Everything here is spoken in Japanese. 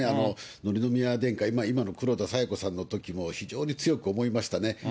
紀宮殿下、今の黒田清子さんのときも、非常に強く思いましたね。